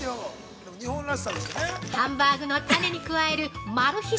◆ハンバーグのタネに加えるマル秘